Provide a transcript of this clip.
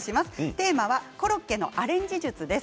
テーマはコロッケのアレンジ術です。